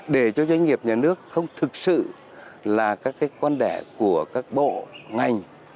để cho doanh nghiệp nhà nước không thực sự là các cái quan đẻ của các bộ ngành